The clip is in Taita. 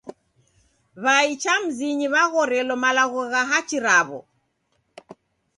W'ai cha mizinyi w'aghorelo malagho gha hachi raw'o.